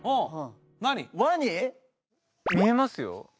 見えますよ